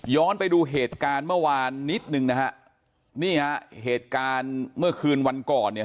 ไปดูเหตุการณ์เมื่อวานนิดหนึ่งนะฮะนี่ฮะเหตุการณ์เมื่อคืนวันก่อนเนี่ย